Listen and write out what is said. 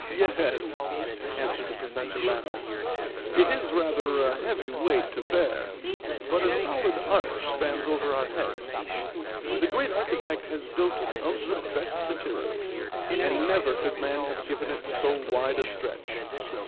"Yes," answered the Professor laughing. "It is rather a heavy weight to bear, but a solid arch spans over our heads. The great Architect has built it of the best materials; and never could man have given it so wide a stretch.